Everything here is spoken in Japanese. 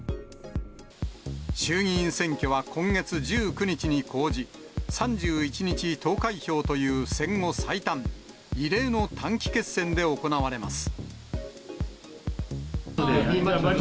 衆議院選挙は今月１９日に公示、３１日投開票という戦後最短、異例の短期決戦で行われます。